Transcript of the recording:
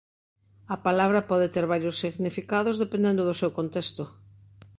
A palabra pode ter varios significados dependendo do seu contexto.